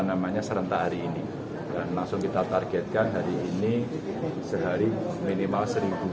namanya serentak hari ini dan langsung kita targetkan hari ini sehari minimal seribu